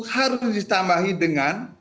harus ditambahi dengan